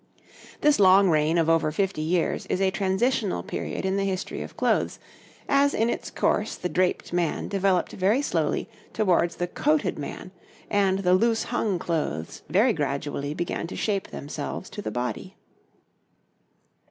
This long reign of over fifty years is a transitional period in the history of clothes, as in its course the draped man developed very slowly towards the coated man, and the loose hung clothes very gradually began to shape themselves to the body.